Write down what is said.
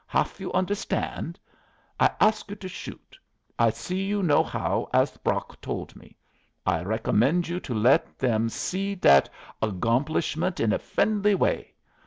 Haf you understand? I ask you to shoot. I see you know how, as Brock told me. I recommend you to let them see that aggomplishment in a friendly way.